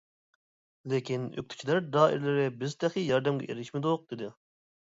لېكىن ئۆكتىچىلەر دائىرىلىرى بىز تېخى ياردەمگە ئېرىشمىدۇق دېدى.